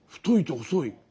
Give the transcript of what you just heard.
太いと細い。